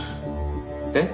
えっ！？